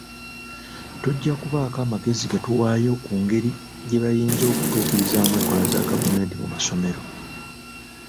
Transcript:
Tujja kubaako amagezi getuwaayo ku ngeri gye bayinza okutuukirizamu enkola za gavumenti mu masomero.